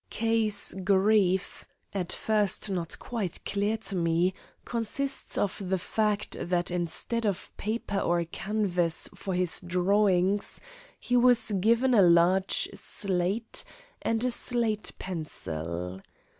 K.'s grief, at first not quite clear to me, consists of the fact that instead of paper or canvas for his drawings he was given a large slate and a slate pencil.